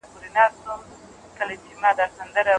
سوسیالیستي نظام د دولت واک زیاتوي.